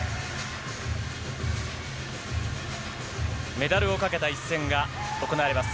メダルをかけた一戦が行われます。